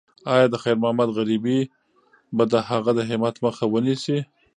ایا د خیر محمد غریبي به د هغه د همت مخه ونیسي؟